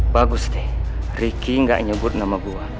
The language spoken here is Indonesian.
bagus deh ricky gak nyebut nama gue